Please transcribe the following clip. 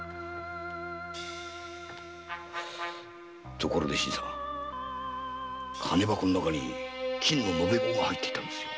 ところで新さん。金箱の中に金の延べ棒が入っていたんですよ。